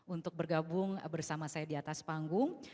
untuk bergabung bersama saya di atas panggung